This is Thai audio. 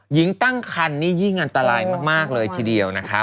หญิงตั้งคันนี่ยิ่งอันตรายมากเลยทีเดียวนะคะ